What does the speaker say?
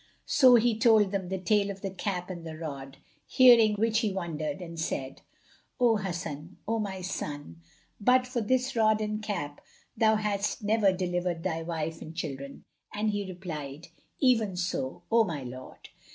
So he told them the tale of the cap and the rod, hearing which he wondered and said, "O Hasan, O my son, but for this rod and the cap, thou hadst never delivered thy wife and children." And he replied, "Even so, O my lord."